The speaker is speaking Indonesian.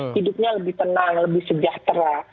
hidupnya lebih tenang lebih sejahtera